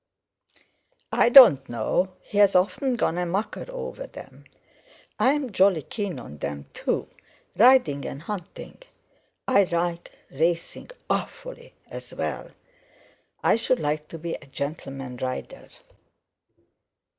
I don't know he's often gone a mucker over them. I'm jolly keen on them too—riding and hunting. I like racing awfully, as well; I should like to be a gentleman rider."